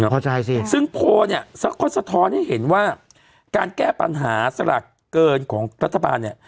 เข้าใจสิซึ่งโพลเนี่ยก็สะท้อนให้เห็นว่าการแก้ปัญหาสลากเกินของรัฐบาลเนี่ย